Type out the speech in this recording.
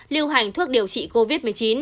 lưu hành thuốc điều trị covid một mươi chín